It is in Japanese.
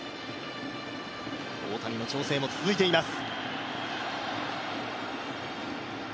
大谷の調整も続いています。